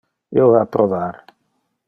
Io va provar.